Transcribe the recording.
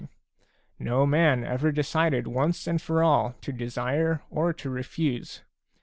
ever decided once and for all to desire or to refuse.